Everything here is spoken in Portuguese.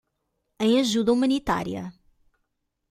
Em ajuda humanitária